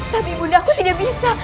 tapi ibu undah aku tidak bisa